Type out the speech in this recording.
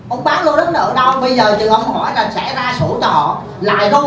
ông bán lô đất nợ đâu bây giờ thì ông hỏi là trẻ ra sổ cho họ